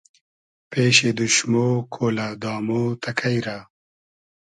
پېشی دوشمۉ کۉلۂ دامۉ تئکݷ رۂ